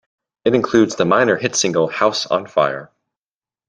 It includes the minor hit single "House on Fire".